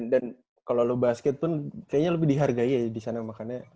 dan kalau lu basket pun kayaknya lebih dihargai ya di sana makannya